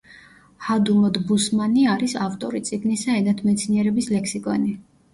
ჰადუმოდ ბუსმანი არის ავტორი წიგნისა ენათმეცნიერების ლექსიკონი.